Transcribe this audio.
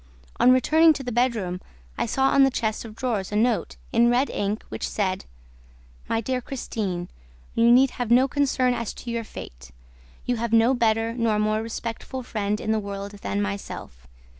On returning to the bedroom, I saw on the chest of drawers a note, in red ink, which said, 'My dear Christine, you need have no concern as to your fate. You have no better nor more respectful friend in the world than myself.